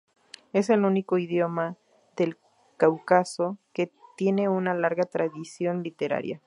Es el único idioma del Cáucaso que tiene una larga tradición literaria.